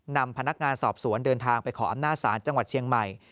นำพนักงานสอบสวนเดินทางไปขออำนาจศาลจังหวัดเชียงใหม่